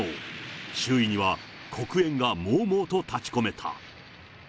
周囲には黒煙がもうもうと立ち込めた。